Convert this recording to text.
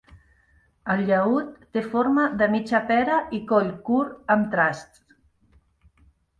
El llaüt té forma de mitja pera i coll curt amb trasts.